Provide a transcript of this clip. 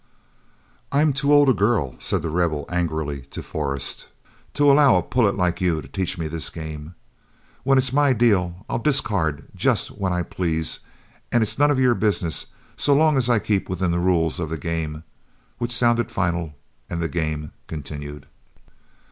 "I'm too old a girl," said The Rebel, angrily, to Forrest, "to allow a pullet like you to teach me this game. When it's my deal, I'll discard just when I please, and it's none of your business so long as I keep within the rules of the game;" which sounded final, and the game continued.